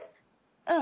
うん。